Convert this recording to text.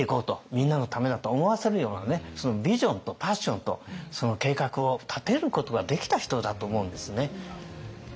みんなのためだと思わせるようなねビジョンとパッションと計画を立てることができた人だと思うんですね。